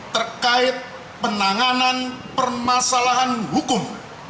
terkait penanganan permasalahan hukum